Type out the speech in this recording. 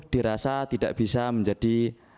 dirasa tidak bisa menjadi